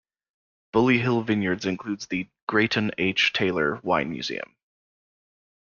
Bully Hill Vineyards includes the Greyton H. Taylor Wine Museum.